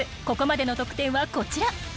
ここまでの得点はこちら。